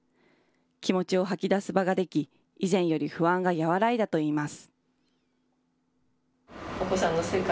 気持ちを吐き出す場が出来、以前より不安が和らいだといいます。